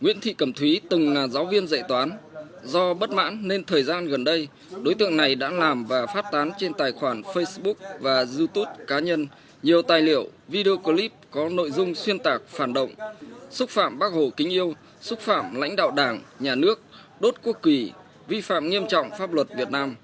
nguyễn thị cẩm thúy từng là giáo viên dạy toán do bất mãn nên thời gian gần đây đối tượng này đã làm và phát tán trên tài khoản facebook và youtube cá nhân nhiều tài liệu video clip có nội dung xuyên tạc phản động xúc phạm bác hồ kính yêu xúc phạm lãnh đạo đảng nhà nước đốt quốc kỳ vi phạm nghiêm trọng pháp luật việt nam